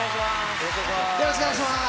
よろしくお願いします。